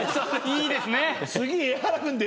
いいですね。